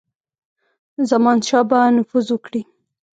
زمانشاه به نفوذ وکړي.